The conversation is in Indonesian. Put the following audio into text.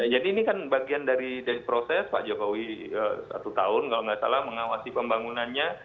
jadi ini kan bagian dari proses pak jokowi satu tahun kalau tidak salah mengawasi pembangunannya